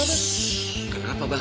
shh kenapa abah